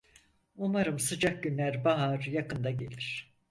Umarım sıcak günler bahar yakında gelir.